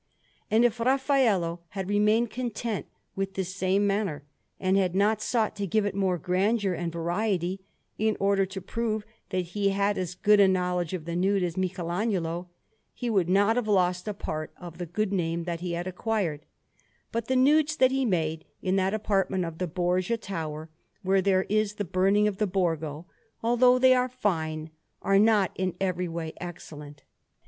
And if Raffaello had remained content with this same manner, and had not sought to give it more grandeur and variety in order to prove that he had as good a knowledge of the nude as Michelagnolo, he would not have lost a part of the good name that he had acquired; but the nudes that he made in that apartment of the Borgia Tower where there is the Burning of the Borgo, although they are fine, are not in every way excellent.